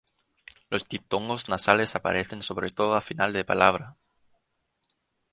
Los diptongos nasales aparecen sobre todo a final de palabra.